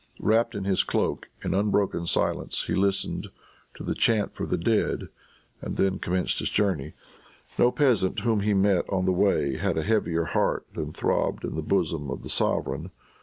Wrapped in his cloak, in unbroken silence he listened to the "chant for the dead," and then commenced his journey. No peasant whom he met on the way had a heavier heart than throbbed in the bosom of the sovereign.